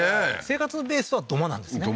生活のベースは土間なんですね